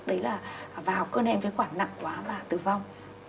đấy là vào cơn hen phế quản nặng quá và tử vong